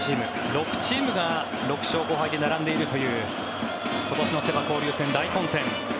６チームが６勝５敗で並んでいるという今年のセ・パ交流戦、大混戦。